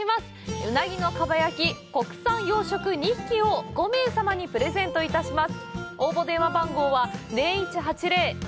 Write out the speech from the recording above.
うなぎのかば焼き、国産養殖２匹を５名様にプレゼントいたします。